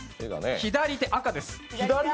左手赤です。